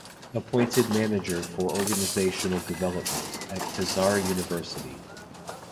Appointed Manager for Organisational Development at Khazar University.